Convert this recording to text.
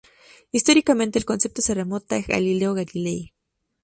Históricamente, el concepto se remonta a Galileo Galilei.